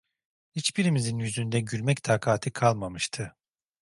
Hiçbirimizin yüzünde gülmek takati kalmamıştı…